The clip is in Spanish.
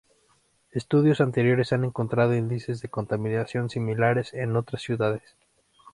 Estudios anteriores han encontrado índices de contaminación similares en otras ciudades.